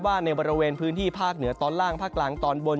ในบริเวณพื้นที่ภาคเหนือตอนล่างภาคกลางตอนบน